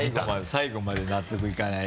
最後まで納得いかない。